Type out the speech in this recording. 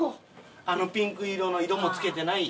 あのピンク色の色も付けてない。